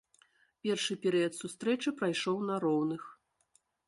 Першы перыяд сустрэчы прайшоў на роўных.